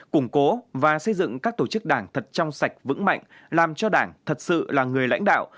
củng cố và xây dựng các tổ chức đảng thật trong sạch vững mạnh làm cho đảng thật sự là người lãnh đạo